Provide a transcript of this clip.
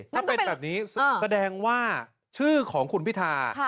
ถ้าเป็นแบบนี้แสดงว่าชื่อของคุณพิธา